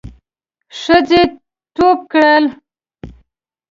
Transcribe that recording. ښځې ټوپ کړل.